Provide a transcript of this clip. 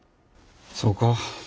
そうか。